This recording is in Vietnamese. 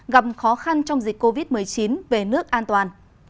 gặp khó khăn trong dịch covid một mươi chín về nước an toàn